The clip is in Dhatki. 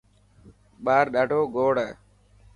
ٻاهر ڏاڌوگوڙ هي.